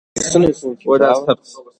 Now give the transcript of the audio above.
د افغانستان خلک سوله او امنیت غواړي.